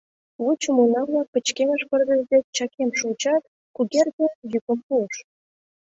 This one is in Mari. Вучымо уна-влак пычкемыш пырдыж дек чакем шуычат, Кугергин йӱкым пуыш: